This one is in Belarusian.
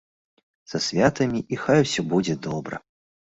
Са святамі, і хай усё будзе добра.